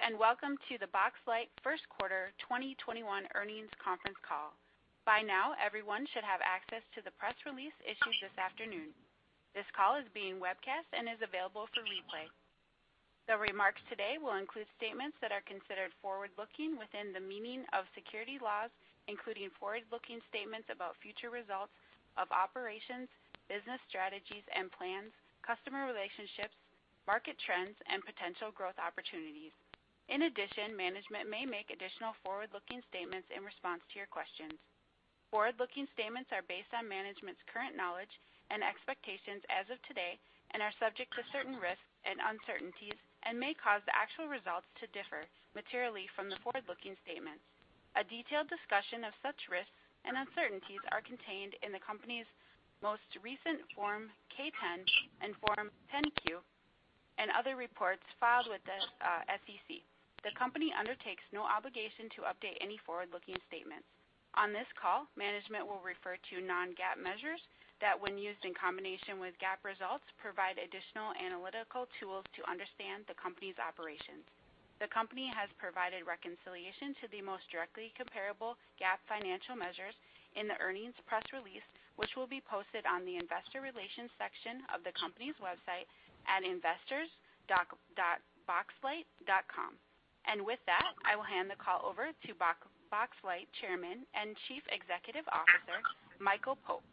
Thank you, and welcome to the Boxlight first quarter 2021 earnings conference call. By now, everyone should have access to the press release issued this afternoon. This call is being webcast and is available for replay. The remarks today will include statements that are considered forward-looking within the meaning of security laws, including forward-looking statements about future results of operations, business strategies and plans, customer relationships, market trends, and potential growth opportunities. In addition, management may make additional forward-looking statements in response to your questions. Forward-looking statements are based on management's current knowledge and expectations as of today and are subject to certain risks and uncertainties and may cause the actual results to differ materially from the forward-looking statements. A detailed discussion of such risks and uncertainties are contained in the company's most recent Form 10-K and Form 10-Q and other reports filed with the SEC. The company undertakes no obligation to update any forward-looking statements. On this call, management will refer to non-GAAP measures that, when used in combination with GAAP results, provide additional analytical tools to understand the company's operations. The company has provided reconciliation to the most directly comparable GAAP financial measures in the earnings press release, which will be posted on the Investor Relations section of the company's website at investors.boxlight.com. With that, I will hand the call over to Boxlight Chairman and Chief Executive Officer, Michael Pope.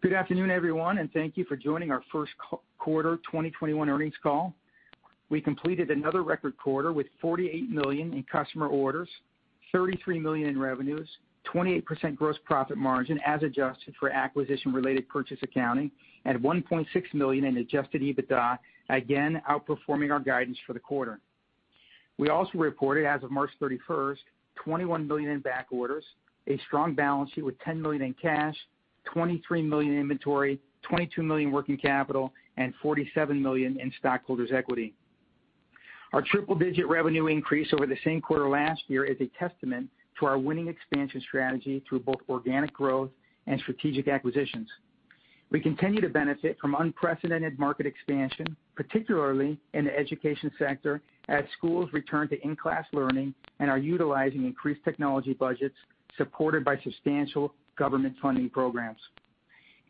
Good afternoon, everyone, and thank you for joining our first quarter 2021 earnings call. We completed another record quarter with $48 million in customer orders, $33 million in revenues, 28% gross profit margin as adjusted for acquisition-related purchase accounting, and $1.6 million in adjusted EBITDA, again, outperforming our guidance for the quarter. We also reported, as of March 31st, $21 million in backorders, a strong balance sheet with $10 million in cash, $23 million in inventory, $22 million in working capital, and $47 million in stockholders' equity. Our triple-digit revenue increase over the same quarter last year is a testament to our winning expansion strategy through both organic growth and strategic acquisitions. We continue to benefit from unprecedented market expansion, particularly in the education sector, as schools return to in-class learning and are utilizing increased technology budgets supported by substantial government funding programs.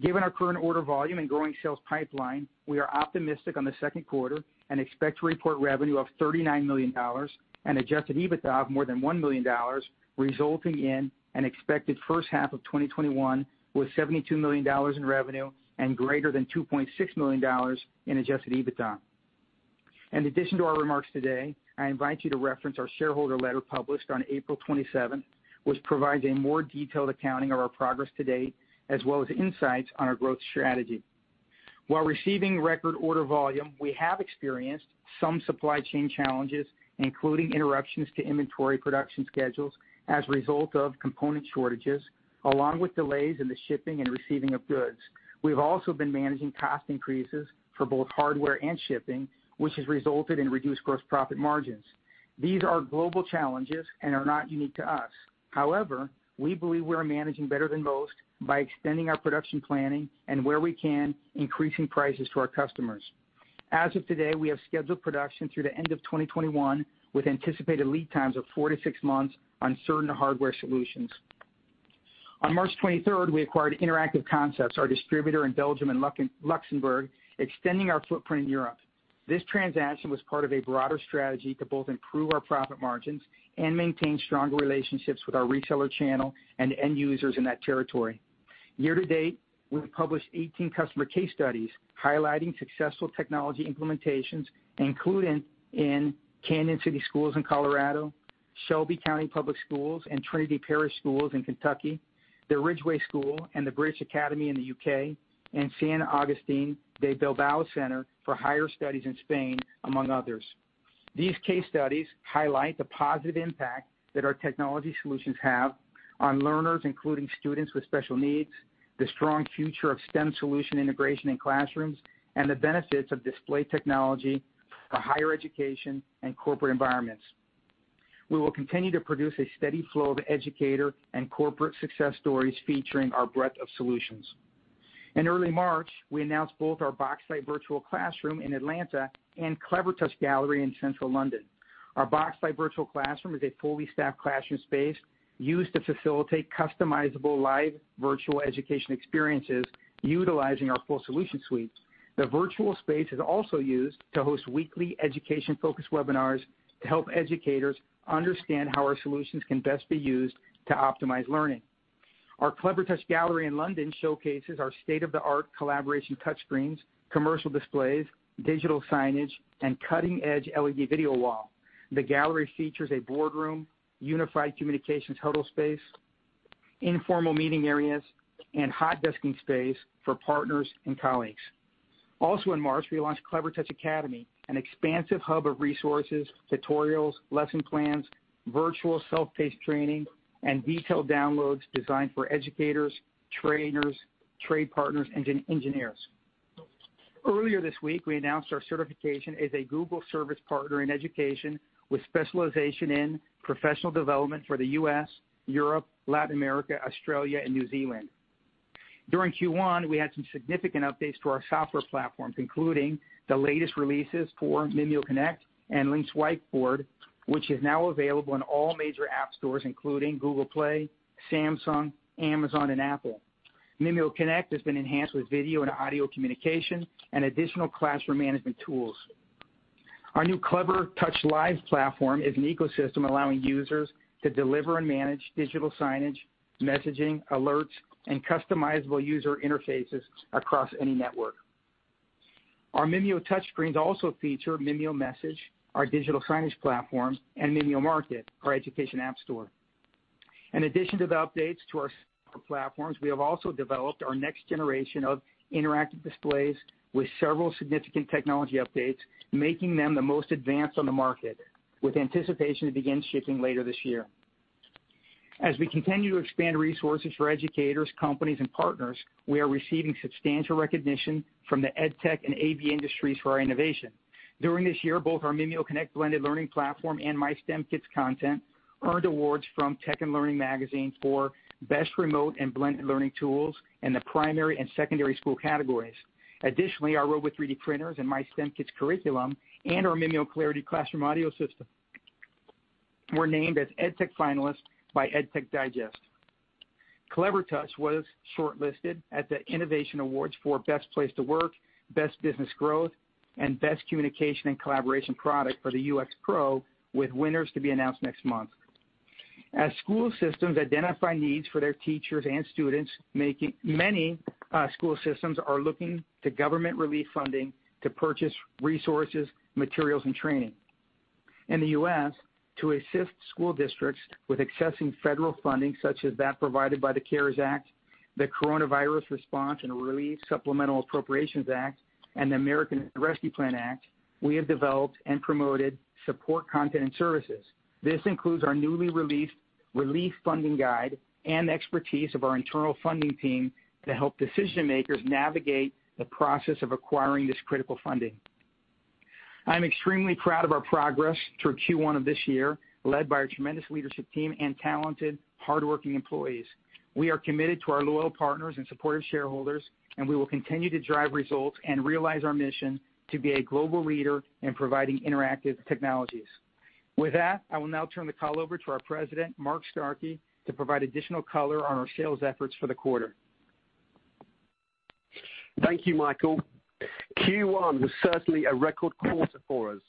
Given our current order volume and growing sales pipeline, we are optimistic on the second quarter and expect to report revenue of $39 million and adjusted EBITDA of more than $1 million, resulting in an expected first half of 2021 with $72 million in revenue and greater than $2.6 million in adjusted EBITDA. In addition to our remarks today, I invite you to reference our shareholder letter published on April 27th, which provides a more detailed accounting of our progress to date, as well as insights on our growth strategy. While receiving record order volume, we have experienced some supply chain challenges, including interruptions to inventory production schedules as a result of component shortages, along with delays in the shipping and receiving of goods. We've also been managing cost increases for both hardware and shipping, which has resulted in reduced gross profit margins. These are global challenges and are not unique to us. However, we believe we are managing better than most by extending our production planning and where we can, increasing prices to our customers. As of today, we have scheduled production through the end of 2021, with anticipated lead times of four to six months on certain hardware solutions. On March 23rd, we acquired Interactive Concepts, our distributor in Belgium and Luxembourg, extending our footprint in Europe. This transaction was part of a broader strategy to both improve our profit margins and maintain stronger relationships with our retailer channel and end users in that territory. Year to date, we've published 18 customer case studies highlighting successful technology implementations, including in Cañon City Schools in Colorado, Shelby County Public Schools, and Trinity Parish Schools in Kentucky, The Ridgeway School and The Bridge Academy in the U.K., and San Agustín de Bilbao Center for Higher Studies in Spain, among others. These case studies highlight the positive impact that our technology solutions have on learners, including students with special needs, the strong future of STEM solution integration in classrooms, and the benefits of display technology for higher education and corporate environments. We will continue to produce a steady flow of educator and corporate success stories featuring our breadth of solutions. In early March, we announced both our Boxlight Virtual Classroom in Atlanta and Clevertouch Gallery in central London. Our Boxlight Virtual Classroom is a fully staffed classroom space used to facilitate customizable live virtual education experiences utilizing our full solution suites. The virtual space is also used to host weekly education-focused webinars to help educators understand how our solutions can best be used to optimize learning. Our Clevertouch Gallery in London showcases our state-of-the-art collaboration touchscreens, commercial displays, digital signage, and cutting-edge LED video wall. The gallery features a boardroom, unified communications huddle space, informal meeting areas, and hot desking space for partners and colleagues. In March, we launched Clevertouch Academy, an expansive hub of resources, tutorials, lesson plans, virtual self-paced training, and detailed downloads designed for educators, trainers, trade partners, and engineers. Earlier this week, we announced our certification as a Google Service Partner in Education with specialization in professional development for the U.S., Europe, Latin America, Australia, and New Zealand. During Q1, we had some significant updates to our software platforms, including the latest releases for MimioConnect and LYNX Whiteboard, which is now available in all major app stores, including Google Play, Samsung, Amazon, and Apple. MimioConnect has been enhanced with video and audio communication and additional classroom management tools. Our new ClevertouchLive platform is an ecosystem allowing users to deliver and manage digital signage, messaging, alerts, and customizable user interfaces across any network. Our Mimio touchscreens also feature MimioMessage, our digital signage platform, and MimioMarket, our education app store. In addition to the updates to our software platforms, we have also developed our next generation of interactive displays with several significant technology updates, making them the most advanced on the market, with anticipation to begin shipping later this year. As we continue to expand resources for educators, companies, and partners, we are receiving substantial recognition from the ed tech and AV industries for our innovation. During this year, both our MimioConnect blended learning platform and MyStemKits content earned awards from Tech & Learning Magazine for best remote and blended learning tools in the primary and secondary school categories. Additionally, our Robo 3D printers and MyStemKits curriculum and our MimioClarity classroom audio system were named as ed tech finalists by EdTech Digest. Clevertouch was shortlisted at the Innovation Awards for best place to work, best business growth, and best communication and collaboration product for the UX Pro, with winners to be announced next month. As school systems identify needs for their teachers and students, many school systems are looking to government relief funding to purchase resources, materials, and training. In the U.S., to assist school districts with accessing federal funding such as that provided by the CARES Act, the Coronavirus Response and Relief Supplemental Appropriations Act, 2021, and the American Rescue Plan Act of 2021, we have developed and promoted support content and services. This includes our newly released relief funding guide and expertise of our internal funding team to help decision-makers navigate the process of acquiring this critical funding. I'm extremely proud of our progress through Q1 of this year, led by our tremendous leadership team and talented, hardworking employees. We are committed to our loyal partners and supportive shareholders, and we will continue to drive results and realize our mission to be a global leader in providing interactive technologies. With that, I will now turn the call over to our President, Mark Starkey, to provide additional color on our sales efforts for the quarter. Thank you, Michael. Q1 was certainly a record quarter for us.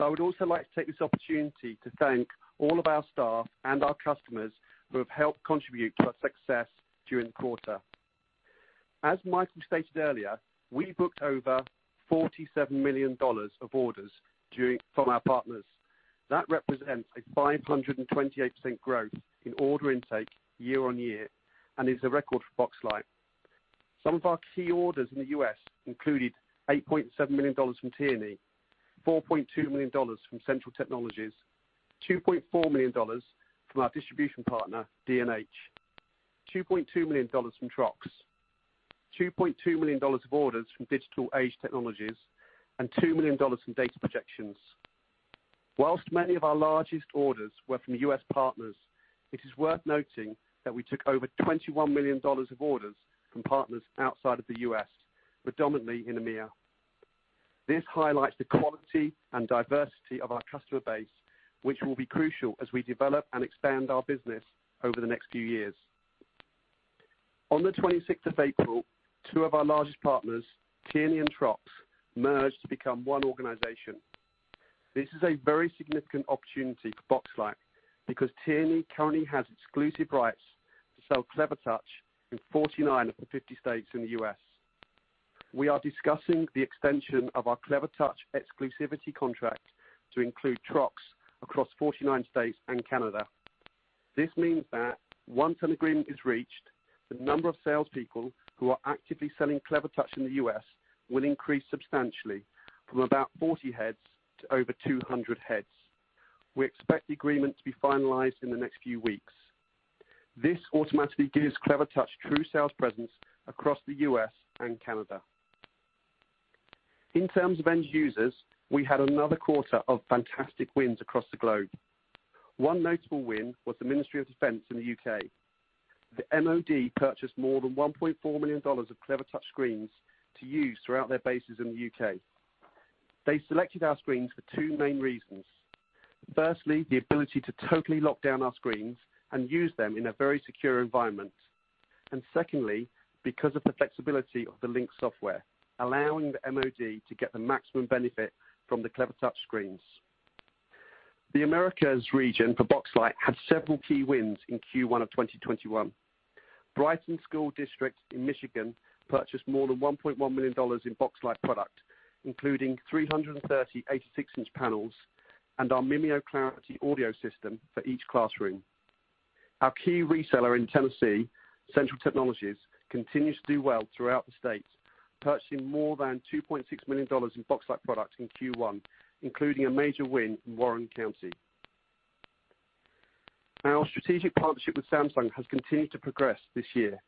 I would also like to take this opportunity to thank all of our staff and our customers who have helped contribute to our success during the quarter. As Michael stated earlier, we booked over $47 million of orders from our partners. That represents a 528% growth in order intake year-on-year and is a record for Boxlight. Some of our key orders in the U.S. included $8.7 million from Tierney, $4.2 million from Central Technologies, $2.4 million from our distribution partner, D&H, $2.2 million from Trox, $2.2 million of orders from Digital Age Technologies, and $2 million from Data Projections. Whilst many of our largest orders were from U.S. partners, it is worth noting that we took over $21 million of orders from partners outside of the U.S., predominantly in EMEA. This highlights the quality and diversity of our customer base, which will be crucial as we develop and expand our business over the next few years. On the 26th of April, two of our largest partners, Tierney and Trox, merged to become one organization. This is a very significant opportunity for Boxlight because Tierney currently has exclusive rights to sell Clevertouch in 49 of the 50 states in the U.S. We are discussing the extension of our Clevertouch exclusivity contract to include Trox across 49 states and Canada. This means that once an agreement is reached, the number of salespeople who are actively selling Clevertouch in the U.S. will increase substantially from about 40 heads to over 200 heads. We expect the agreement to be finalized in the next few weeks. This automatically gives Clevertouch true sales presence across the U.S. and Canada. In terms of end users, we had another quarter of fantastic wins across the globe. One notable win was the Ministry of Defence in the U.K. The MoD purchased more than $1.4 million of Clevertouch screens to use throughout their bases in the U.K. They selected our screens for two main reasons. Firstly, the ability to totally lock down our screens and use them in a very secure environment. Secondly, because of the flexibility of the LYNX software, allowing the MoD to get the maximum benefit from the Clevertouch screens. The Americas region for Boxlight had several key wins in Q1 of 2021. Brighton Schools district in Michigan purchased more than $1.1 million in Boxlight product, including 330 86-inch panels and our MimioClarity audio system for each classroom. Our key reseller in Tennessee, Central Technologies, continues to do well throughout the state, purchasing more than $2.6 million in Boxlight products in Q1, including a major win from Warren County. Our strategic partnership with Samsung has continued to progress this year.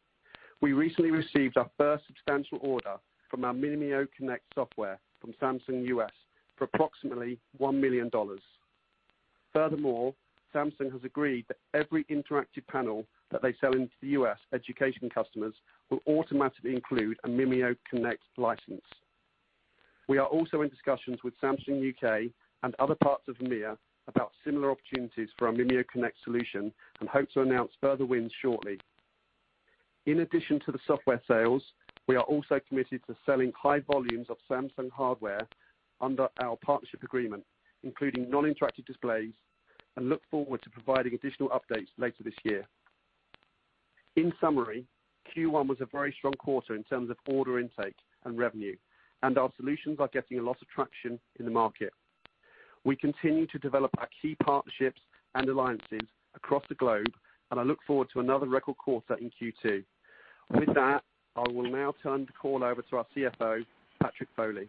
We recently received our first substantial order from our MimioConnect software from Samsung U.S. for approximately $1 million. Furthermore, Samsung has agreed that every interactive panel that they sell into the U.S. education customers will automatically include a MimioConnect license. We are also in discussions with Samsung U.K. and other parts of EMEA about similar opportunities for our MimioConnect solution and hope to announce further wins shortly. In addition to the software sales, we are also committed to selling high volumes of Samsung hardware under our partnership agreement, including non-interactive displays, and look forward to providing additional updates later this year. In summary, Q1 was a very strong quarter in terms of order intake and revenue, and our solutions are getting a lot of traction in the market. We continue to develop our key partnerships and alliances across the globe, and I look forward to another record quarter in Q2. With that, I will now turn the call over to our CFO, Patrick Foley.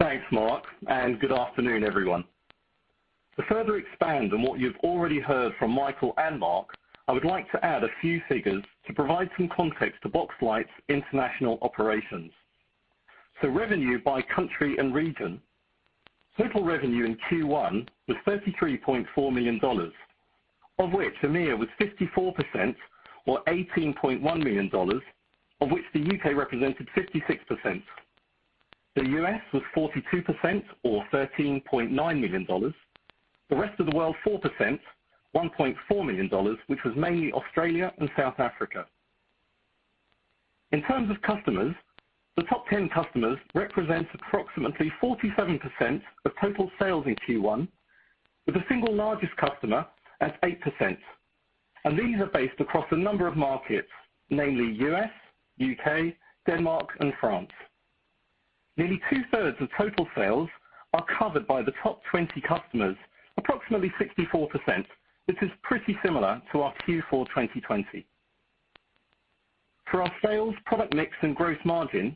Thanks, Mark. Good afternoon, everyone. To further expand on what you've already heard from Michael and Mark, I would like to add a few figures to provide some context to Boxlight's international operations. Revenue by country and region. Total revenue in Q1 was $33.4 million, of which EMEA was 54% or $18.1 million, of which the U.K. represented 56%. The U.S. was 42% or $13.9 million. The rest of the world, 4%, $1.4 million, which was mainly Australia and South Africa. In terms of customers, the top 10 customers represent approximately 47% of total sales in Q1, with the single largest customer at 8%. These are based across a number of markets, namely U.S., U.K., Denmark, and France. Nearly 2/3s of total sales are covered by the top 20 customers, approximately 64%, which is pretty similar to our Q4 2020. For our sales product mix and gross margin,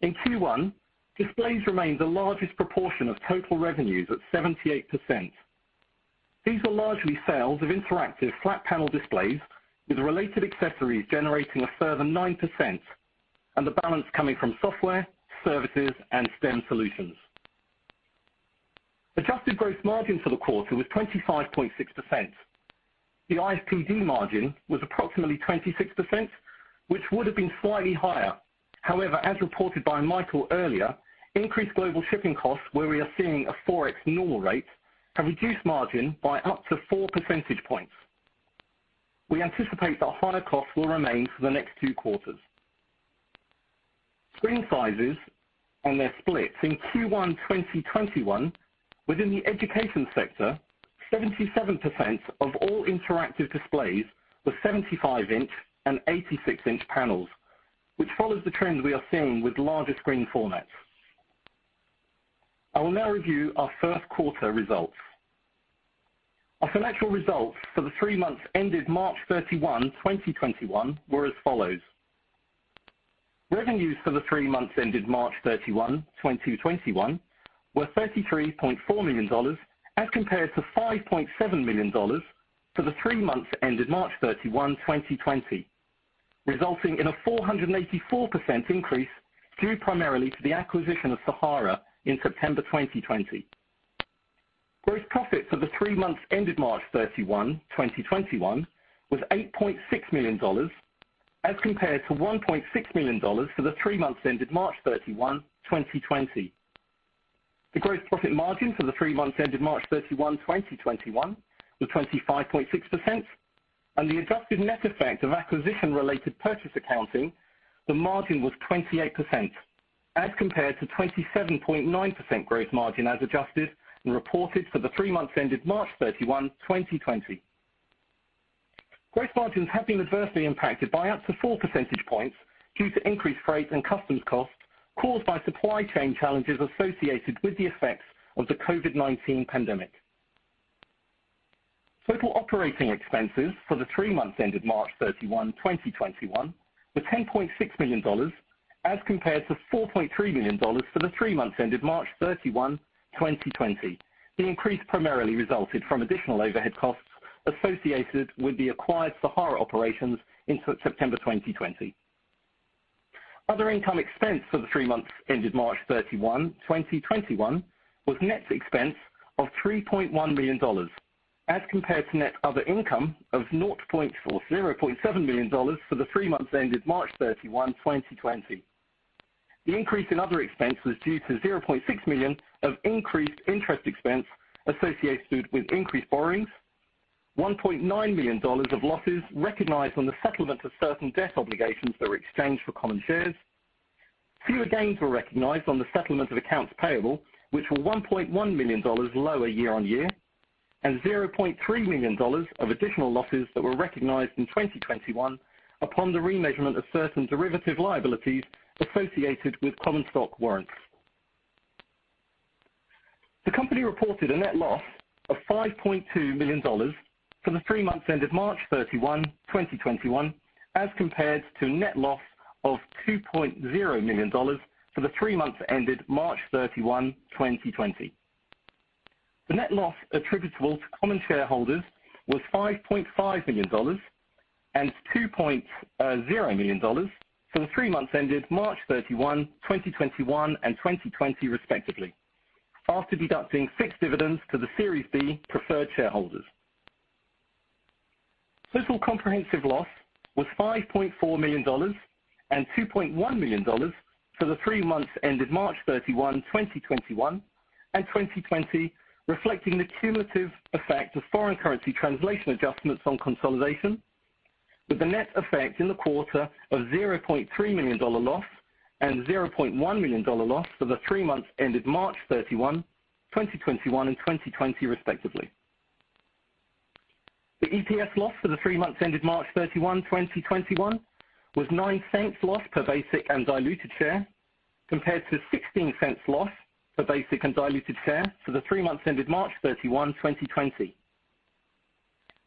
in Q1, displays remained the largest proportion of total revenues at 78%. These are largely sales of interactive flat panel displays with related accessories generating a further 9% and the balance coming from software, services, and STEM solutions. Adjusted gross margin for the quarter was 25.6%. The IFPD margin was approximately 26%, which would have been slightly higher. However, as reported by Michael earlier, increased global shipping costs, where we are seeing a 4x normal rate, have reduced margin by up to four percentage points. We anticipate that higher costs will remain for the next two quarters. Screen sizes and their splits in Q1 2021 within the education sector, 77% of all interactive displays were 75-inch and 86-inch panels, which follows the trend we are seeing with larger screen formats. I will now review our first quarter results. Our financial results for the three months ended March 31, 2021, were as follows. Revenues for the three months ended March 31, 2021, were $33.4 million as compared to $5.7 million for the three months ended March 31, 2020, resulting in a 484% increase due primarily to the acquisition of Sahara in September 2020. Gross profit for the three months ended March 31, 2021, was $8.6 million as compared to $1.6 million for the three months ended March 31, 2020. The gross profit margin for the three months ended March 31, 2021, was 25.6%, and the adjusted net effect of acquisition-related purchase accounting, the margin was 28%, as compared to 27.9% gross margin as adjusted and reported for the three months ended March 31, 2020. Gross margins have been adversely impacted by up to four percentage points due to increased freight and customs costs caused by supply chain challenges associated with the effects of the COVID-19 pandemic. Total operating expenses for the three months ended March 31, 2021, were $10.6 million as compared to $4.3 million for the three months ended March 31, 2020. The increase primarily resulted from additional overhead costs associated with the acquired Sahara operations in September 2020. Other income expense for the three months ended March 31, 2021, was net expense of $3.1 million as compared to net other income of $0.7 million for the three months ended March 31, 2020. The increase in other expense was due to $0.6 million of increased interest expense associated with increased borrowings, $1.9 million of losses recognized on the settlement of certain debt obligations that were exchanged for common shares. Fewer gains were recognized on the settlement of accounts payable, which were $1.1 million lower year-on-year, and $0.3 million of additional losses that were recognized in 2021 upon the remeasurement of certain derivative liabilities associated with common stock warrants. The company reported a net loss of $5.2 million for the three months ended March 31, 2021, as compared to net loss of $2.0 million for the three months ended March 31, 2020. The net loss attributable to common shareholders was $5.5 million. $2.0 million for the three months ended March 31, 2021, and 2020 respectively, after deducting fixed dividends to the Series B preferred shareholders. Total comprehensive loss was $5.4 million and $2.1 million for the three months ended March 31, 2021, and 2020, reflecting the cumulative effect of foreign currency translation adjustments on consolidation, with a net effect in the quarter of $0.3 million loss and $0.1 million loss for the three months ended March 31, 2021, and 2020 respectively. The EPS loss for the three months ended March 31, 2021, was $0.09 loss per basic and diluted share, compared to $0.16 loss per basic and diluted share for the three months ended March 31, 2020.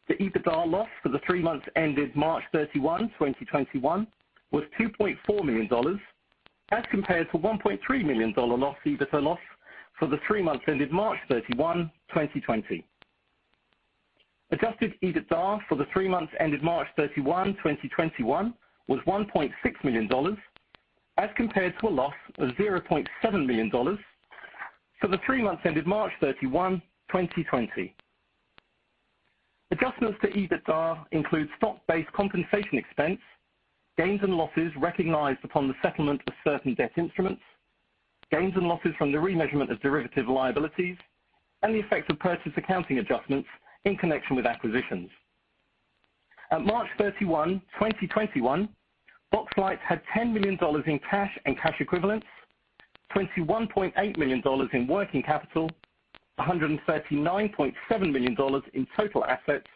The EBITDA loss for the three months ended March 31, 2021, was $2.4 million as compared to $1.3 million loss, EBITDA loss for the three months ended March 31, 2020. Adjusted EBITDA for the three months ended March 31, 2021, was $1.6 million as compared to a loss of $0.7 million for the three months ended March 31, 2020. Adjustments to EBITDA include stock-based compensation expense, gains and losses recognized upon the settlement of certain debt instruments, gains and losses from the remeasurement of derivative liabilities, and the effect of purchase accounting adjustments in connection with acquisitions. At March 31, 2021, Boxlight had $10 million in cash and cash equivalents, $21.8 million in working capital, $139.7 million in total assets,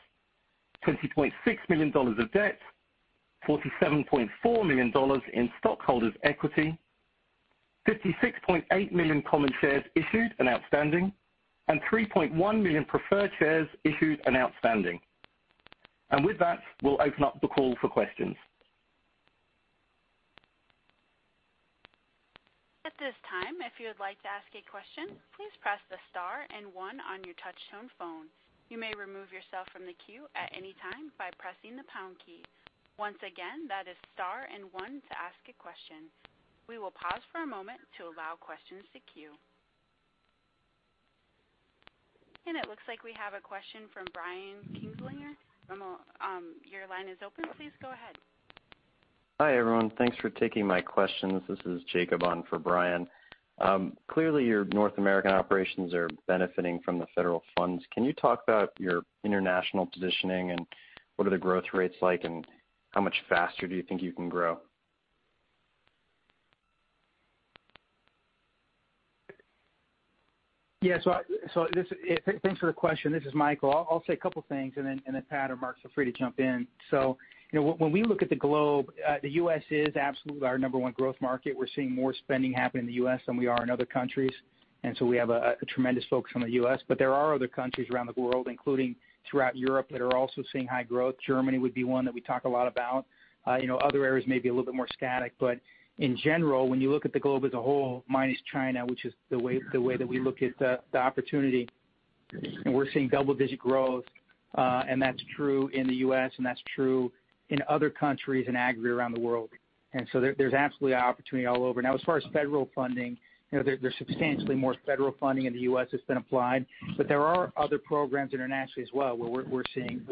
$20.6 million of debt, $47.4 million in stockholders' equity, 56.8 million common shares issued and outstanding, and 3.1 million preferred shares issued and outstanding. With that, we'll open up the call for questions. With that, we'll open up the call for questions. At this time, if you would like to ask a question, please press the star and one on your touchtone phone. You may remove yourself from the queue at any time by pressing the pound key. Once again, that is star and one to ask a question. We will pause for a moment to allow questions to queue.It looks like we have a question from Brian Kinstlinger. Your line is open. Please go ahead. Hi, everyone. Thanks for taking my questions. This is Jacob on for Brian. Clearly, your North American operations are benefiting from the federal funds. Can you talk about your international positioning, and what are the growth rates like, and how much faster do you think you can grow? Yeah. Thanks for the question. This is Michael. I'll say a couple things. Pat or Mark feel free to jump in. When we look at the globe, the U.S. is absolutely our number one growth market. We're seeing more spending happen in the U.S. than we are in other countries. We have a tremendous focus on the U.S. There are other countries around the world, including throughout Europe, that are also seeing high growth. Germany would be one that we talk a lot about. Other areas may be a little bit more static. In general, when you look at the globe as a whole, minus China, which is the way that we look at the opportunity, we're seeing double-digit growth. That's true in the U.S. That's true in other countries in aggregate around the world. There's absolutely opportunity all over. Now, as far as federal funding, there's substantially more federal funding in the U.S. that's been applied. There are other programs internationally as well, where we're seeing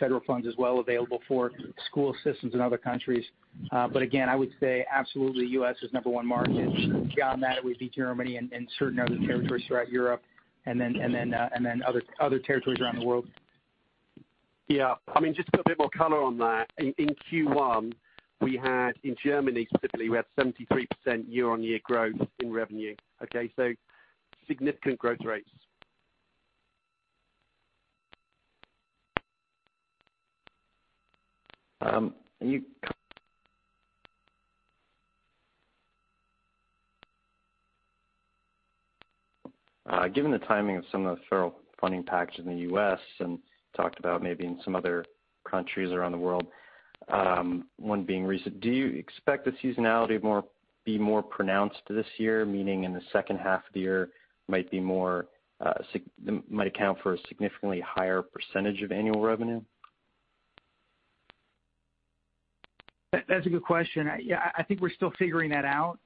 federal funds as well available for school systems in other countries. Again, I would say absolutely, U.S. is number one market. Beyond that, it would be Germany and certain other territories throughout Europe, and then other territories around the world. Yeah. Just to put a bit more color on that. In Q1, in Germany specifically, we had 73% year-on-year growth in revenue. Okay? Significant growth rates. Given the timing of some of the federal funding package in the U.S., and talked about maybe in some other countries around the world, one being recent, do you expect the seasonality to be more pronounced this year? Meaning in the second half of the year might account for a significantly higher percentage of annual revenue? That's a good question. Yeah, I think we're still figuring that out.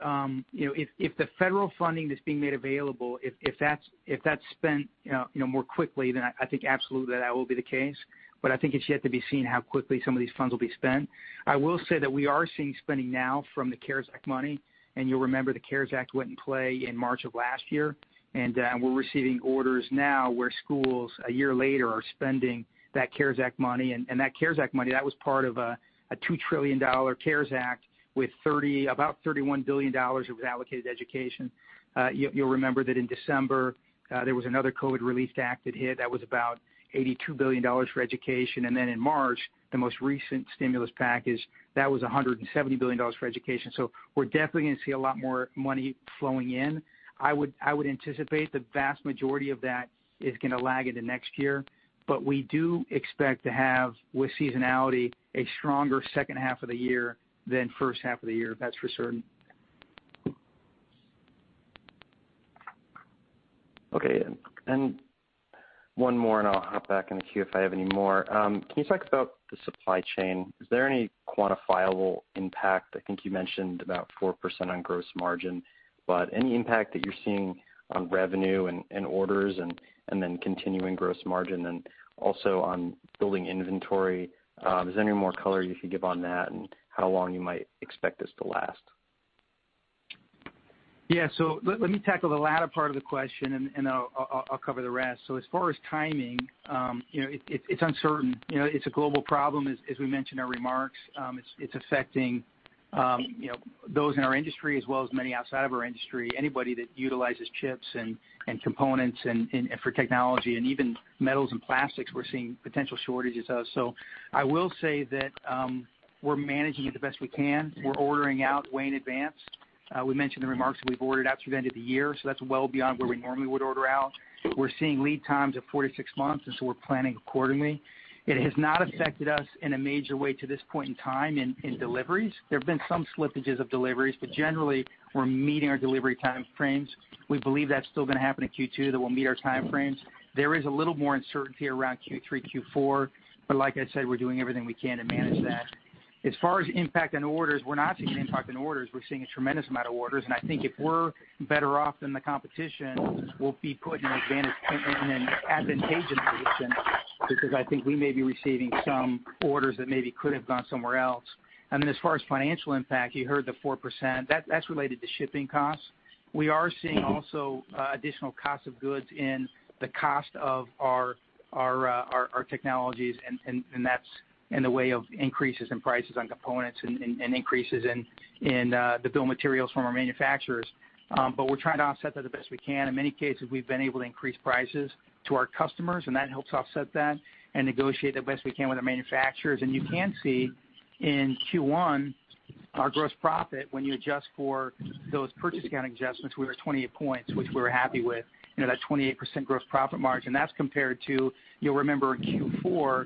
If the federal funding that's being made available, if that's spent more quickly, then I think absolutely that will be the case. I think it's yet to be seen how quickly some of these funds will be spent. I will say that we are seeing spending now from the CARES Act money, and you'll remember the CARES Act went in play in March of last year. We're receiving orders now where schools, a year later, are spending that CARES Act money. That CARES Act money, that was part of a $2 trillion CARES Act with about $31 billion of it was allocated to education. You'll remember that in December, there was another COVID relief act that hit, that was about $82 billion for education. In March, the most recent stimulus package, that was $170 billion for education. We're definitely going to see a lot more money flowing in. I would anticipate the vast majority of that is going to lag into next year. We do expect to have, with seasonality, a stronger second half of the year than first half of the year. That's for certain. Okay. One more, and I'll hop back in the queue if I have any more. Can you talk about the supply chain? Is there any quantifiable impact? I think you mentioned about 4% on gross margin, any impact that you're seeing on revenue and orders and then continuing gross margin and also on building inventory? Is there any more color you could give on that and how long you might expect this to last? Yeah. Let me tackle the latter part of the question, and I'll cover the rest. As far as timing, it's uncertain. It's a global problem, as we mentioned in our remarks. It's affecting those in our industry as well as many outside of our industry. Anybody that utilizes chips and components for technology, and even metals and plastics, we're seeing potential shortages of. I will say that we're managing it the best we can. We're ordering out way in advance. We mentioned in the remarks that we've ordered out through the end of the year, so that's well beyond where we normally would order out. We're seeing lead times of four to six months, and so we're planning accordingly. It has not affected us in a major way to this point in time in deliveries. There have been some slippages of deliveries, but generally, we're meeting our delivery time frames. We believe that's still going to happen in Q2, that we'll meet our time frames. There is a little more uncertainty around Q3, Q4, but like I said, we're doing everything we can to manage that. As far as impact on orders, we're not seeing an impact on orders. We're seeing a tremendous amount of orders, and I think if we're better off than the competition, we'll be put in an advantageous position because I think we may be receiving some orders that maybe could have gone somewhere else. As far as financial impact, you heard the 4%. That's related to shipping costs. We are seeing also additional cost of goods in the cost of our technologies, and that's in the way of increases in prices on components and increases in the bill of materials from our manufacturers. We're trying to offset that the best we can. In many cases, we've been able to increase prices to our customers, and that helps offset that, and negotiate the best we can with our manufacturers. You can see in Q1, our gross profit, when you adjust for those purchase account adjustments, we were at 28 points, which we were happy with. That 28% gross profit margin, that's compared to, you'll remember in Q4,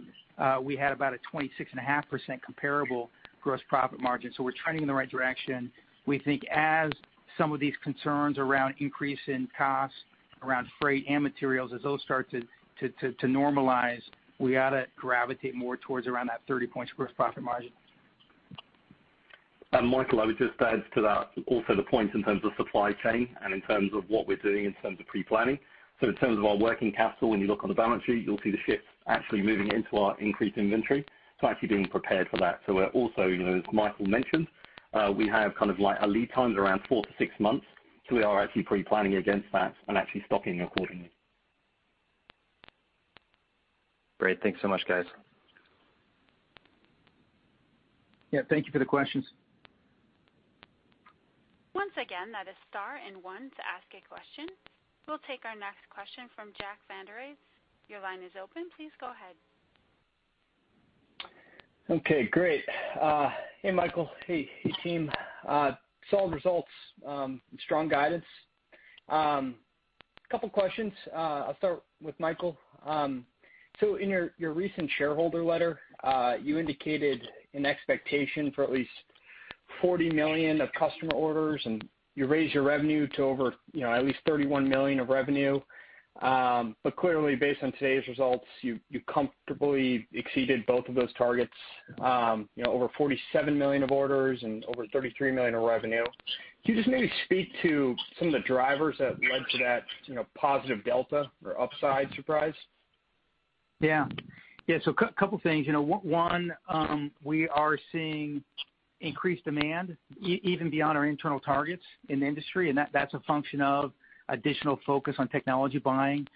we had about a 26.5% comparable gross profit margin. We're trending in the right direction. We think as some of these concerns around increase in costs around freight and materials, as those start to normalize, we ought to gravitate more towards around that 30-point gross profit margin. Michael, I would just add to that also the point in terms of supply chain and in terms of what we're doing in terms of pre-planning. In terms of our working capital, when you look on the balance sheet, you'll see the shift actually moving into our increased inventory. Actually being prepared for that. We're also, as Michael mentioned, we have lead times around four to six months. We are actually pre-planning against that and actually stocking accordingly. Great. Thanks so much, guys. Yeah. Thank you for the questions. Once again, that is star and one to ask a question. We'll take our next question from Jack Vander Aarde. Your line is open. Please go ahead. Okay, great. Hey, Michael. Hey, team. Solid results, strong guidance. Couple questions. I'll start with Michael. In your recent shareholder letter, you indicated an expectation for at least $40 million of customer orders, and you raised your revenue to over at least $31 million of revenue. Clearly, based on today's results, you comfortably exceeded both of those targets. Over $47 million of orders and over $33 million of revenue. Can you just maybe speak to some of the drivers that led to that positive delta or upside surprise? A couple things. One, we are seeing increased demand even beyond our internal targets in the industry, and that's a function of additional focus on technology buying.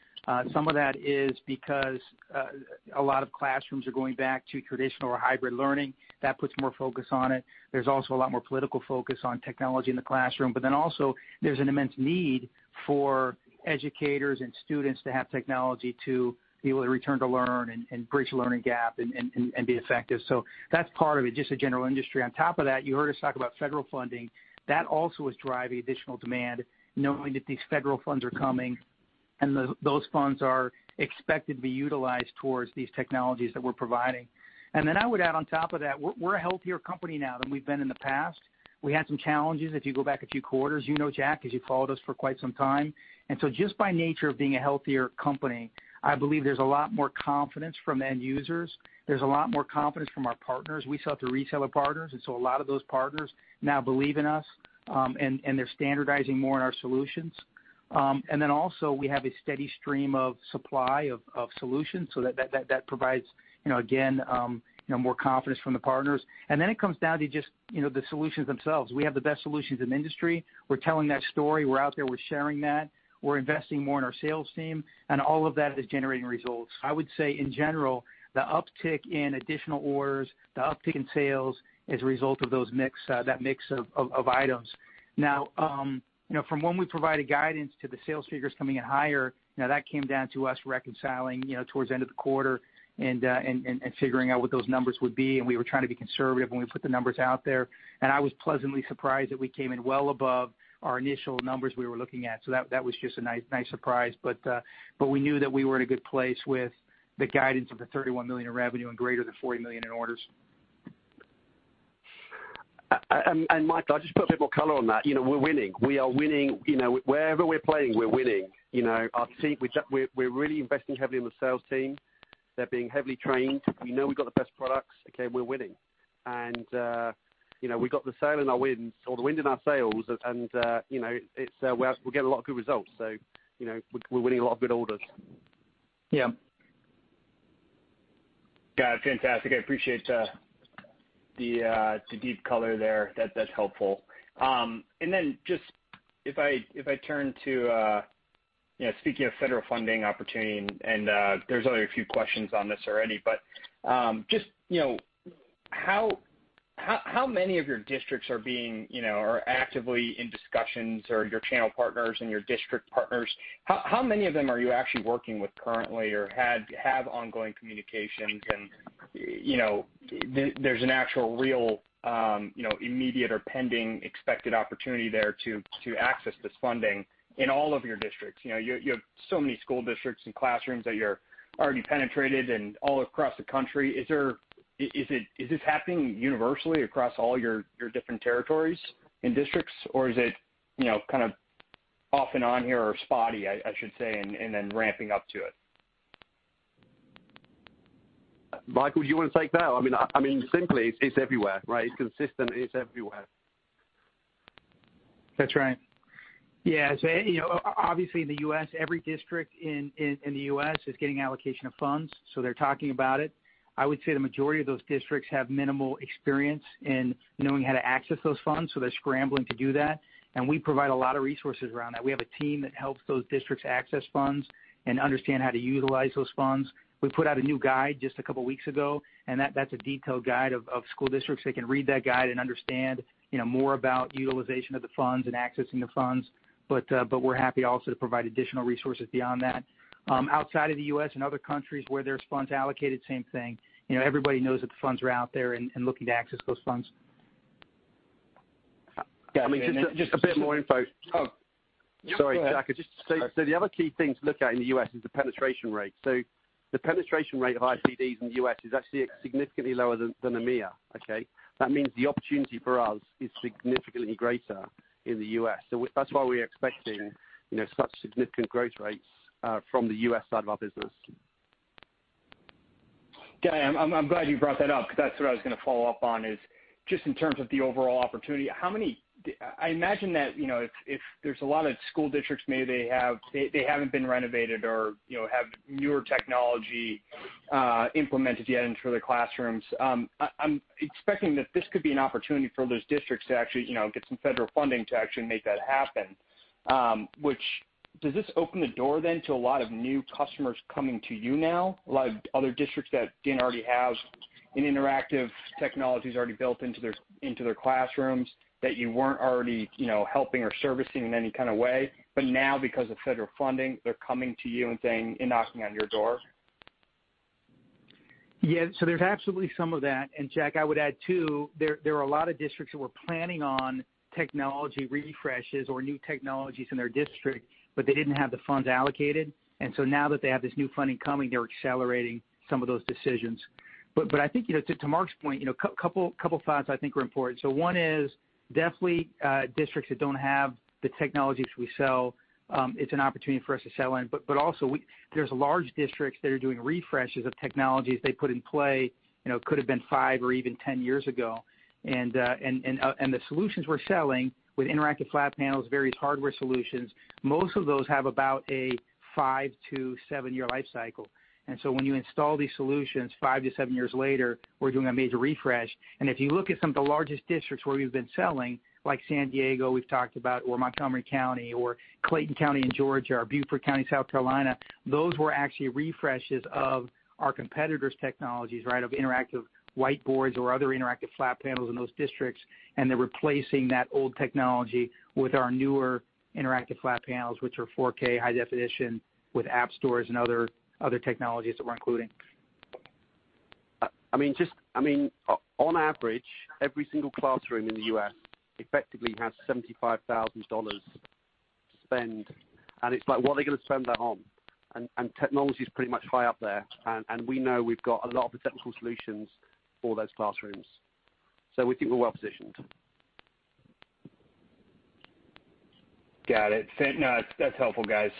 Some of that is because a lot of classrooms are going back to traditional or hybrid learning. That puts more focus on it. There's also a lot more political focus on technology in the classroom. Also, there's an immense need for educators and students to have technology to be able to return to learn and bridge the learning gap and be effective. That's part of it, just the general industry. On top of that, you heard us talk about federal funding. That also is driving additional demand, knowing that these federal funds are coming, and those funds are expected to be utilized towards these technologies that we're providing. I would add on top of that, we're a healthier company now than we've been in the past. We had some challenges, if you go back a few quarters, you know, Jack, as you've followed us for quite some time. Just by nature of being a healthier company, I believe there's a lot more confidence from end users. There's a lot more confidence from our partners. We sell to retailer partners, and so a lot of those partners now believe in us, and they're standardizing more on our solutions. Also, we have a steady stream of supply of solutions. That provides, again, more confidence from the partners. It comes down to just the solutions themselves. We have the best solutions in the industry. We're telling that story. We're out there, we're sharing that. We're investing more in our sales team, and all of that is generating results. I would say, in general, the uptick in additional orders, the uptick in sales is a result of that mix of items. Now, from when we provided guidance to the sales figures coming in higher, that came down to us reconciling towards the end of the quarter and figuring out what those numbers would be, and we were trying to be conservative when we put the numbers out there. And I was pleasantly surprised that we came in well above our initial numbers we were looking at. So that was just a nice surprise. But we knew that we were in a good place with the guidance of the $31 million in revenue and greater than $40 million in orders. Michael, I'll just put a bit more color on that. We're winning. Wherever we're playing, we're winning. We're really investing heavily in the sales team. They're being heavily trained. We know we've got the best products. Okay. We're winning. We've got the sail in our wind or the wind in our sails, and we'll get a lot of good results. We're winning a lot of good orders. Yeah. Got it. Fantastic. I appreciate the deep color there. That's helpful. Just, if I turn to speaking of federal funding opportunity, and there's only a few questions on this already, but just how many of your districts are actively in discussions, or your channel partners and your district partners, how many of them are you actually working with currently or have ongoing communications and there's an actual, real, immediate or pending expected opportunity there to access this funding in all of your districts? You have so many school districts and classrooms that you're already penetrated and all across the country. Is this happening universally across all your different territories and districts, or is it kind of off and on here or spotty, I should say, and then ramping up to it? Michael, do you want to take that? I mean, simply it's everywhere, right? It's consistent. It's everywhere. That's right. Yeah. Obviously every district in the U.S. is getting allocation of funds, so they're talking about it. I would say the majority of those districts have minimal experience in knowing how to access those funds, so they're scrambling to do that, and we provide a lot of resources around that. We have a team that helps those districts access funds and understand how to utilize those funds. We put out a new guide just a couple of weeks ago, and that's a detailed guide of school districts. They can read that guide and understand more about utilization of the funds and accessing the funds, but we're happy also to provide additional resources beyond that. Outside of the U.S. and other countries where there's funds allocated, same thing. Everybody knows that the funds are out there and looking to access those funds. Yeah, I mean, just a bit more info. Oh. Sorry, Jack. The other key thing to look at in the U.S. is the penetration rate. The penetration rate of IFPDs in the U.S. is actually significantly lower than EMEA, okay? That means the opportunity for us is significantly greater in the U.S. That's why we're expecting such significant growth rates from the U.S. side of our business. Okay. I'm glad you brought that up, because that's what I was going to follow up on, is just in terms of the overall opportunity. I imagine that if there's a lot of school districts, maybe they haven't been renovated or have newer technology implemented yet into their classrooms. I'm expecting that this could be an opportunity for those districts to actually get some federal funding to actually make that happen. Does this open the door then to a lot of new customers coming to you now, a lot of other districts that didn't already have any interactive technologies already built into their classrooms that you weren't already helping or servicing in any kind of way, but now because of federal funding, they're coming to you and knocking on your door? There's absolutely some of that. Jack, I would add, too, there are a lot of districts who were planning on technology refreshes or new technologies in their district, but they didn't have the funds allocated. Now that they have this new funding coming, they're accelerating some of those decisions. I think to Mark's point, couple thoughts I think are important. One is, definitely districts that don't have the technologies we sell, it's an opportunity for us to sell in. Also, there's large districts that are doing refreshes of technologies they put in play, could have been five or even 10 years ago. The solutions we're selling with interactive flat panels, various hardware solutions, most of those have about a five to seven year life cycle. When you install these solutions, five to seven years later, we're doing a major refresh. If you look at some of the largest districts where we've been selling, like San Diego, we've talked about, or Montgomery County or Clayton County in Georgia, or Beaufort County, South Carolina, those were actually refreshes of our competitors' technologies of interactive whiteboards or other interactive flat panels in those districts. They're replacing that old technology with our newer interactive flat panels, which are 4K high definition with app stores and other technologies that we're including. I mean, on average, every single classroom in the U.S. effectively has $75,000 to spend. It's like, what are they going to spend that on? Technology is pretty much high up there. We know we've got a lot of potential solutions for those classrooms. We think we're well-positioned. Got it. No, that's helpful, guys.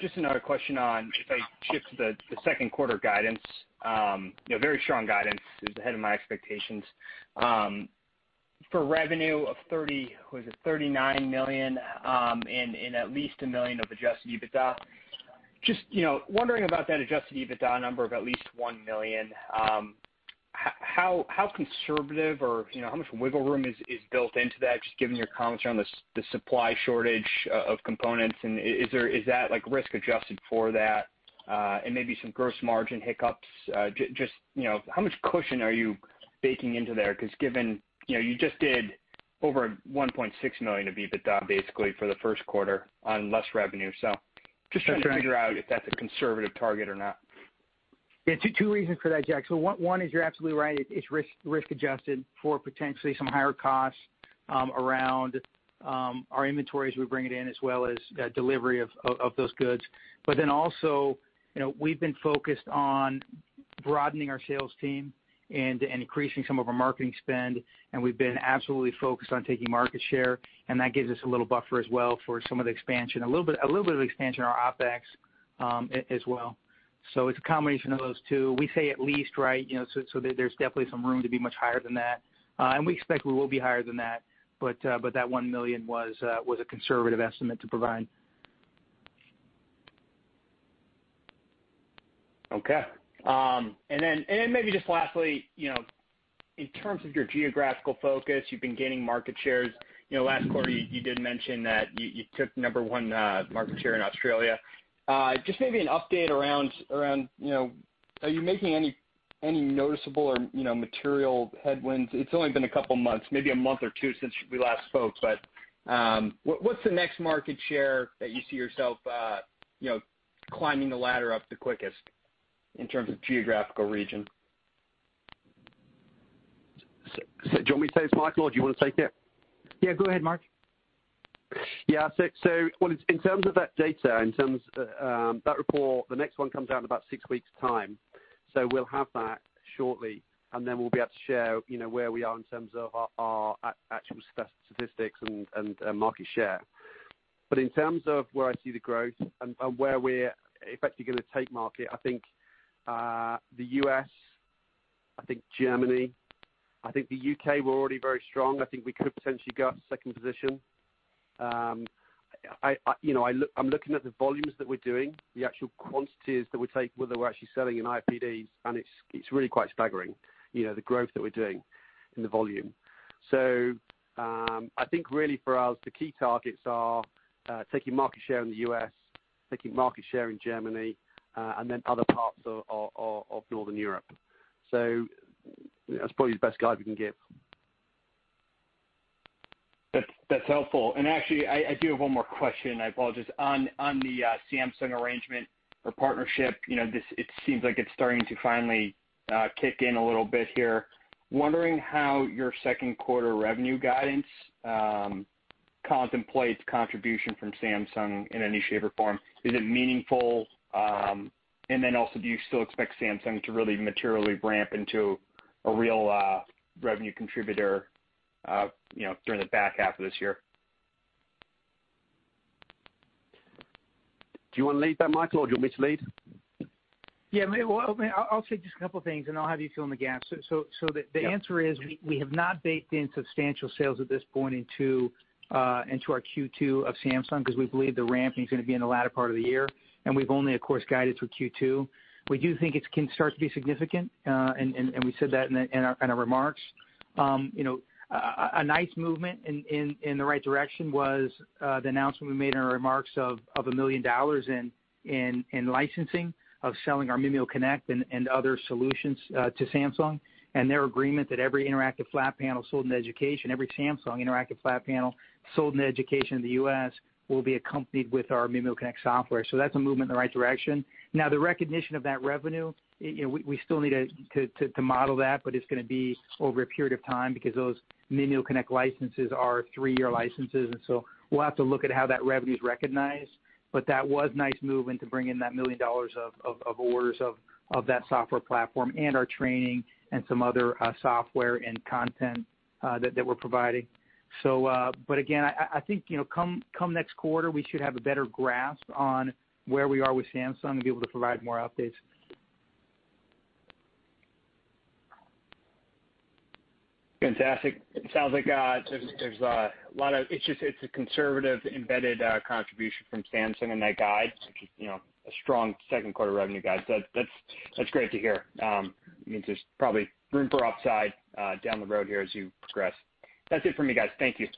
Just another question, if I shift to the second quarter guidance. Very strong guidance, is ahead of my expectations. For revenue of $30, was it $39 million, and at least $1 million of adjusted EBITDA. Just wondering about that adjusted EBITDA number of at least $1 million. How conservative or how much wiggle room is built into that, just given your comments around the supply shortage of components, is that risk adjusted for that? Maybe some gross margin hiccups, just how much cushion are you baking into there? Given you just did over $1.6 million of EBITDA, basically, for the first quarter on less revenue. Just trying to figure out if that's a conservative target or not. Two reasons for that, Jack. One is you're absolutely right. It's risk adjusted for potentially some higher costs around our inventories, we bring it in as well as delivery of those goods. Also, we've been focused on broadening our sales team and increasing some of our marketing spend, and we've been absolutely focused on taking market share, and that gives us a little buffer as well for some of the expansion. A little bit of expansion on our OpEx as well. It's a combination of those two. We say at least, right? There's definitely some room to be much higher than that. We expect we will be higher than that $1 million was a conservative estimate to provide. Okay. Maybe just lastly, in terms of your geographical focus, you've been gaining market shares. Last quarter, you did mention that you took number one market share in Australia. Just maybe an update around, are you making any noticeable or material headwinds? It's only been a couple of months, maybe a month or two since we last spoke, but what's the next market share that you see yourself climbing the ladder up the quickest in terms of geographical region? Do you want me to take this, Michael, or do you want to take it? Yeah, go ahead, Mark. Yeah. In terms of that data, in terms of that report, the next one comes out in about six weeks' time. We'll have that shortly, and then we'll be able to share where we are in terms of our actual statistics and market share. In terms of where I see the growth and where we're effectively going to take market, I think the U.S., I think Germany, I think the U.K., we're already very strong. I think we could potentially go up to second position. I'm looking at the volumes that we're doing, the actual quantities that we're taking, whether we're actually selling in IFPDs, and it's really quite staggering, the growth that we're doing in the volume. I think really for us, the key targets are taking market share in the U.S., taking market share in Germany, and then other parts of Northern Europe. That's probably the best guide we can give. That's helpful. Actually, I do have one more question, I apologize. On the Samsung arrangement or partnership, it seems like it's starting to finally kick in a little bit here. Wondering how your second quarter revenue guidance contemplates contribution from Samsung in any shape or form. Is it meaningful? Then also, do you still expect Samsung to really materially ramp into a real revenue contributor during the back half of this year? Do you want to lead that, Michael, or do you want me to lead? Yeah. Well, I'll say just a couple of things and I'll have you fill in the gaps. Yeah. The answer is, we have not baked in substantial sales at this point into our Q2 of Samsung because we believe the ramp is going to be in the latter part of the year, and we've only, of course, guided through Q2. We do think it can start to be significant, and we said that in our remarks. A nice movement in the right direction was the announcement we made in our remarks of $1 million in licensing of selling our MimioConnect and other solutions to Samsung, and their agreement that every interactive flat panel sold in education, every Samsung interactive flat panel sold in education in the U.S. will be accompanied with our MimioConnect software. That's a movement in the right direction. Now, the recognition of that revenue, we still need to model that, but it's going to be over a period of time because those MimioConnect licenses are three-year licenses, we'll have to look at how that revenue's recognized. That was nice movement to bring in that $1 million of orders of that software platform and our training and some other software and content that we're providing. Again, I think, come next quarter, we should have a better grasp on where we are with Samsung and be able to provide more updates. Fantastic. It sounds like it's a conservative embedded contribution from Samsung in that guide, which is a strong second quarter revenue guide. That's great to hear. It means there's probably room for upside down the road here as you progress. That's it for me, guys. Thank you.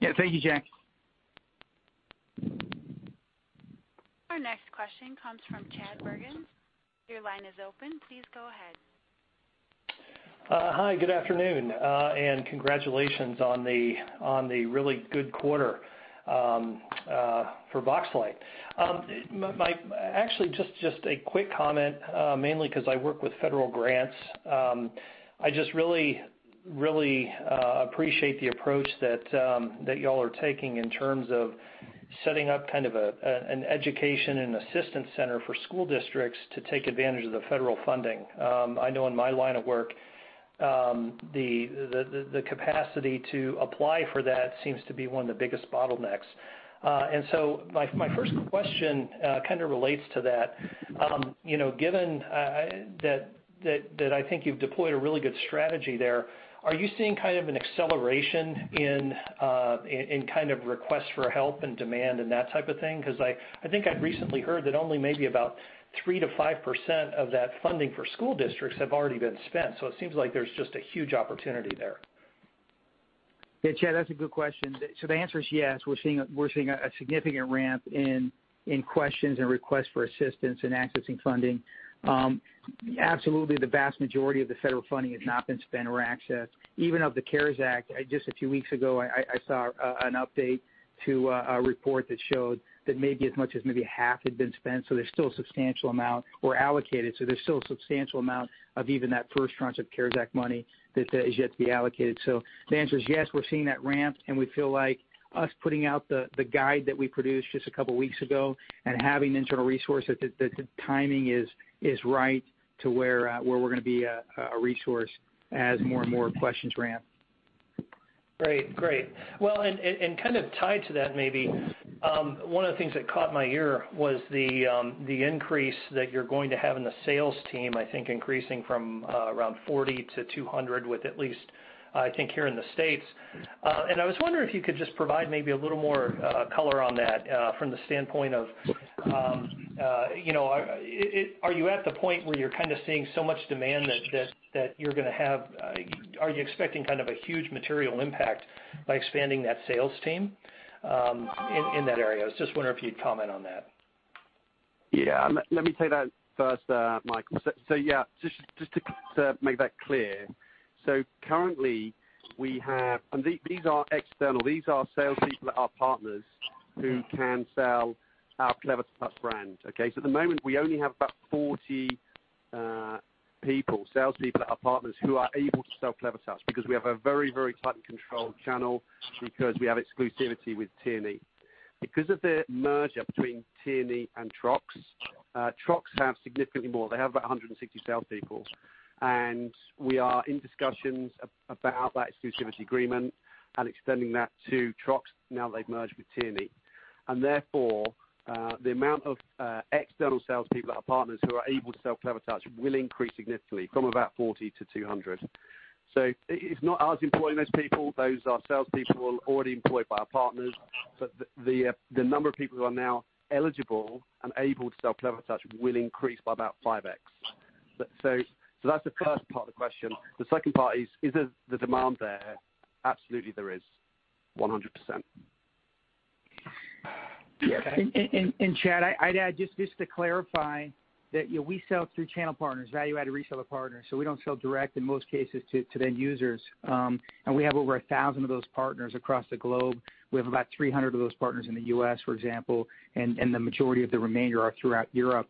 Yeah. Thank you, Jack. Our next question comes from Chad Bergen. Your line is open. Please go ahead. Hi, good afternoon. Congratulations on the really good quarter for Boxlight. Actually, just a quick comment, mainly because I work with federal grants. I just really appreciate the approach that y'all are taking in terms of setting up an education and assistance center for school districts to take advantage of the federal funding. I know in my line of work, the capacity to apply for that seems to be one of the biggest bottlenecks. My first question relates to that. Given that I think you've deployed a really good strategy there, are you seeing an acceleration in requests for help and demand and that type of thing? I think I'd recently heard that only maybe about 3%-5% of that funding for school districts have already been spent. It seems like there's just a huge opportunity there. Yeah, Chad, that's a good question. The answer is yes, we're seeing a significant ramp in questions and requests for assistance in accessing funding. Absolutely, the vast majority of the federal funding has not been spent or accessed. Even of the CARES Act, just a few weeks ago, I saw an update to a report that showed that maybe as much as maybe half had been spent. There's still a substantial amount or allocated. There's still a substantial amount of even that first tranche of CARES Act money that is yet to be allocated. The answer is yes, we're seeing that ramp, and we feel like us putting out the guide that we produced just a couple of weeks ago and having the internal resource, that the timing is right to where we're going to be a resource as more and more questions ramp. Great. Kind of tied to that maybe, one of the things that caught my ear was the increase that you're going to have in the sales team, I think increasing from around 40 people to 200 people with at least, I think here in the U.S. I was wondering if you could just provide maybe a little more color on that from the standpoint of, are you at the point where you're kind of seeing so much demand that Are you expecting kind of a huge material impact by expanding that sales team in that area? I was just wondering if you'd comment on that. Yeah. Let me take that first, Michael. Just to make that clear. Currently, we have, and these are external, these are salespeople that are partners who can sell our Clevertouch brand. Okay? At the moment, we only have about 40 people, salespeople at our partners who are able to sell Clevertouch because we have a very, very tight and controlled channel because we have exclusivity with Tierney. Because of the merger between Tierney and Trox have significantly more. They have about 160 salespeople, and we are in discussions about that exclusivity agreement and extending that to Trox now they've merged with Tierney. Therefore, the amount of external salespeople at our partners who are able to sell Clevertouch will increase significantly from about 40 people to 200 people. It's not us employing those people. Those are salespeople already employed by our partners. The number of people who are now eligible and able to sell Clevertouch will increase by about 5x. That's the first part of the question. The second part is the demand there? Absolutely there is, 100%. Yeah. Chad, I'd add just to clarify that we sell through channel partners, value-added reseller partners, so we don't sell direct in most cases to the end users. We have over 1,000 of those partners across the globe. We have about 300 of those partners in the U.S., for example, the majority of the remainder are throughout Europe.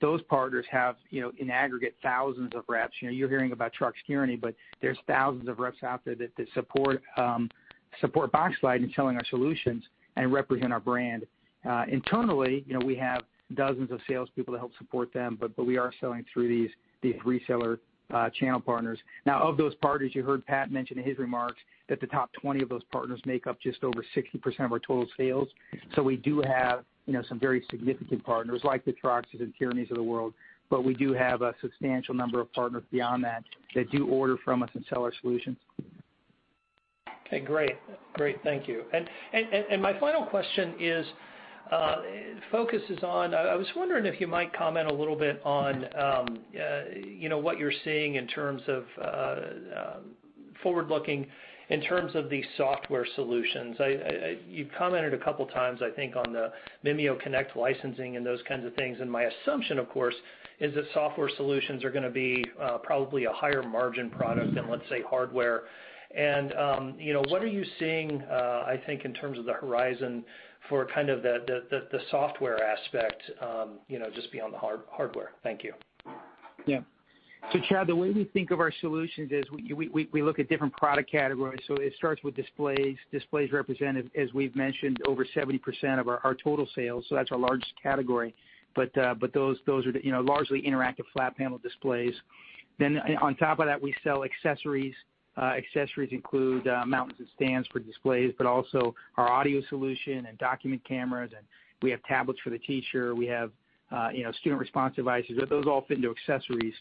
Those partners have, in aggregate, thousands of reps. You're hearing about Trox, Tierney, there's thousands of reps out there that support Boxlight in selling our solutions and represent our brand. Internally, we have dozens of salespeople to help support them, we are selling through these reseller channel partners. Of those partners, you heard Pat mention in his remarks that the top 20 of those partners make up just over 60% of our total sales. We do have some very significant partners like the Trox and Tierney of the world, but we do have a substantial number of partners beyond that who do order from us and sell our solutions. Okay, great. Thank you. My final question focuses on, I was wondering if you might comment a little bit on what you're seeing in terms of forward-looking in terms of the software solutions. You've commented a couple of times, I think, on the MimioConnect licensing and those kinds of things, and my assumption, of course, is that software solutions are going to be probably a higher margin product than, let's say, hardware. What are you seeing, I think, in terms of the horizon for kind of the software aspect, just beyond the hardware? Thank you. Chad, the way we think of our solutions is we look at different product categories. It starts with displays. Displays represent, as we've mentioned, over 70% of our total sales, that's our largest category. Those are largely interactive flat panel displays. On top of that, we sell accessories. Accessories include mounts and stands for displays, also our audio solution and document cameras, and we have tablets for the teacher. We have student response devices. Those all fit into accessories.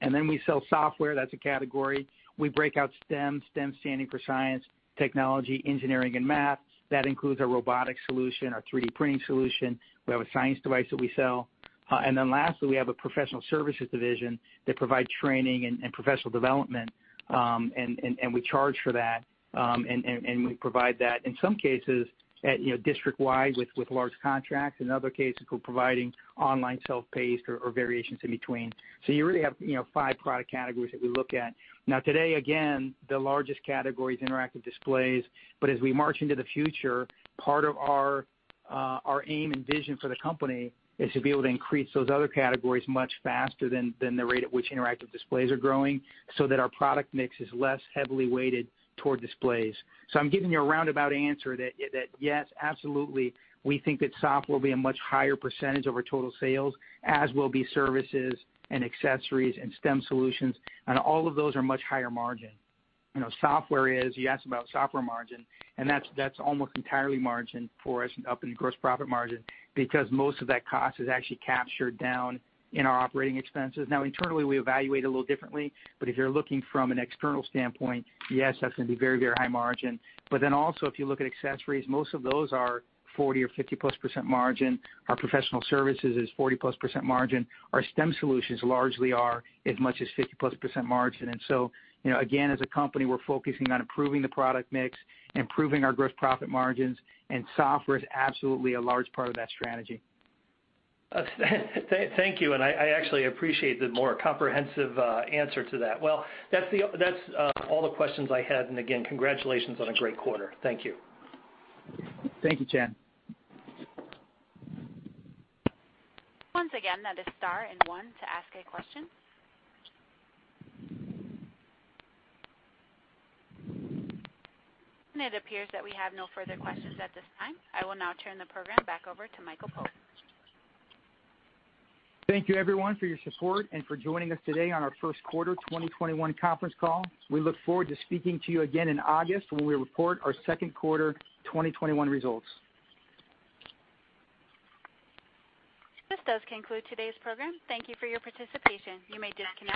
We sell software. That's a category. We break out STEM standing for science, technology, engineering, and math. That includes our robotic solution, our 3D printing solution. We have a science device that we sell. Lastly, we have a professional services division that provides training and professional development, and we charge for that, and we provide that, in some cases, district-wide with large contracts. In other cases, we're providing online self-paced or variations in between. You really have five product categories that we look at. Now, today, again, the largest category is interactive displays. As we march into the future, part of our aim and vision for the company is to be able to increase those other categories much faster than the rate at which interactive displays are growing so that our product mix is less heavily weighted toward displays. I'm giving you a roundabout answer that yes, absolutely, we think that software will be a much higher percentage over total sales, as will be services and accessories and STEM solutions. All of those are much higher margin. Software is, you asked about software margin, that's almost entirely margin for us up in gross profit margin because most of that cost is actually captured down in our operating expenses. Internally, we evaluate a little differently, but if you're looking from an external standpoint, yes, that's going to be very, very high margin. If you look at accessories, most of those are 40+% or 50+% margin. Our professional services is 40+% margin. Our STEM solutions largely are as much as 50+% margin. Again, as a company, we're focusing on improving the product mix, improving our gross profit margins, and software is absolutely a large part of that strategy. Thank you, and I actually appreciate the more comprehensive answer to that. Well, that's all the questions I had. Again, congratulations on a great quarter. Thank you. Thank you, Chad. Once again, that is star and one to ask a question. It appears that we have no further questions at this time. I will now turn the program back over to Michael Pope. Thank you, everyone, for your support and for joining us today on our first quarter 2021 conference call. We look forward to speaking to you again in August when we report our second quarter 2021 results. This does conclude today's program. Thank you for your participation. You may disconnect.